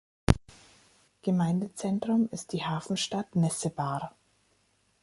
Gemeindezentrum ist die Hafenstadt Nessebar.